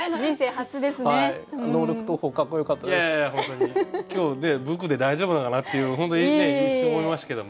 僕で大丈夫なのかなっていう本当にね一瞬思いましたけども。